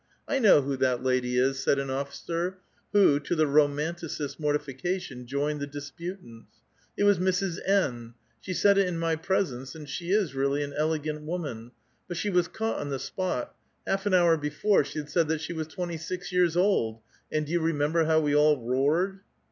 '"'•! know whc that lady is," said an officer who, to the romanticist's morti fication, joined the disputants, ''It was Mrs. N. She said \i in my presence, and she is really an elegant woman ; but she was caught on the spot. Half an hour before she had said that she was twenty six years old, and do you remembei how we all roared?"